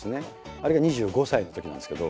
あれが２５歳のときなんですけど。